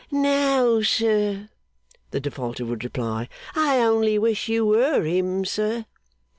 'No, sir,' the Defaulter would reply. 'I only wish you were him, sir.